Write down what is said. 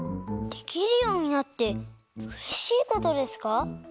できるようになってうれしいことですか？